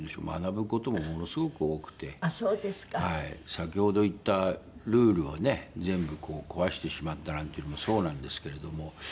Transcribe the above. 先ほど言ったルールをね全部壊してしまったなんていうのもそうなんですけれども。